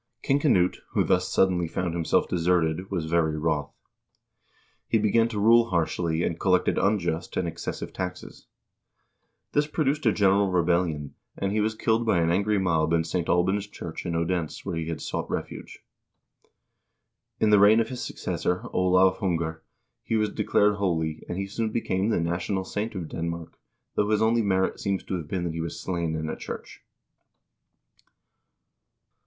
King Knut, who thus suddenly found himself deserted, was very wroth. He began to rule harshly, and collected unjust and excessive taxes. This produced a general re bellion, and he was killed by an angry mob in St. Alban's church in Odense where he had sought refuge. In the reign of his successor, Olav Hunger, he was declared holy, and he soon became the national saint of Denmark, though his only merit seems to have been that he was slain in a church.